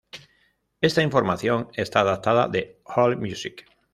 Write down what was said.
Esta información está adaptada de Allmusic.